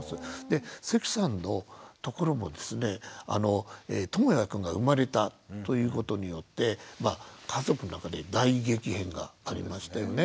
で関さんのところもですねともやくんが生まれたということによって家族の中で大激変がありましたよね。